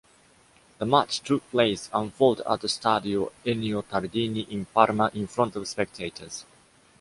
The match took place/unfold at the Stadio Ennio Tardini in Parma in front of spectators.